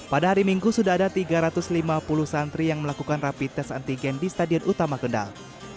pada hari minggu sudah ada tiga ratus lima puluh santri yang melakukan rapi tes antigen di stadion utama kendal